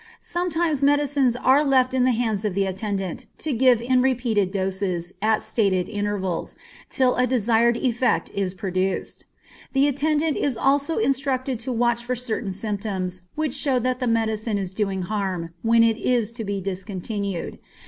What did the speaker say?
Sometimes medicines are left in the hand of the attendant, to give in repeated doses, at stated intervals, till a desired effect is produced. The attendant is also instructed to watch for certain symptoms which show that the medicine is doing harm, when it is to be discontinued.